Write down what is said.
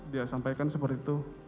dia sampaikan seperti itu